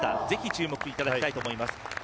ぜひ注目いただきたいと思います。